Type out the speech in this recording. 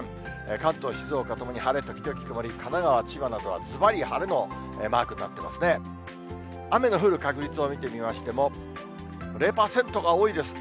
関東、静岡ともに晴れ時々曇り、神奈川、千葉などはずばり晴れのマークになってますね。